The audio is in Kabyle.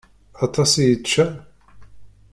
Aṭas i yečča?